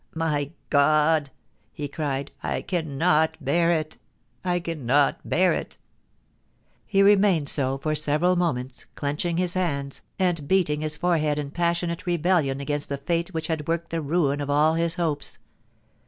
' My God !* he cried, ' I cannot bear it — I cannot bear it !' He remained so for several moments, clenching his hands, and beating his forehead in passionate rebellion against the fate which had worked the ruin of all his hopes.